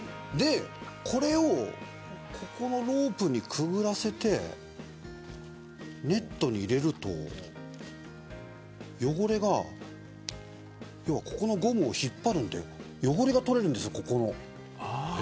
これをここのロープにくぐらせてネットに入れるとここのゴムを引っ張るので汚れが取れるんですよ。